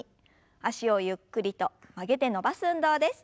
脚をゆっくりと曲げて伸ばす運動です。